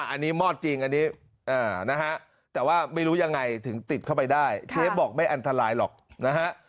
อันนี้มอดจริงอันนี้นะฮะแต่ว่าไม่รู้ยังไงถึงติดเข้าไปได้เชฟบอกไม่อันตรายหรอกนะฮะ